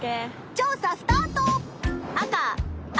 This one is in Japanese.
調査スタート！